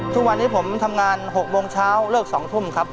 ทุกวันนี้ผมทำงาน๖โมงเช้าเลิก๒ทุ่มครับ